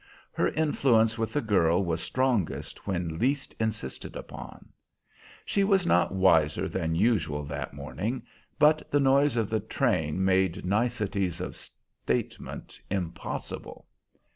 Her influence with the girl was strongest when least insisted upon. She was not wiser than usual that morning, but the noise of the train made niceties of statement impossible.